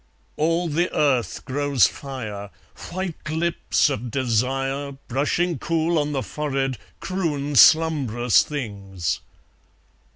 ... All the earth grows fire, White lips of desire Brushing cool on the forehead, croon slumbrous things.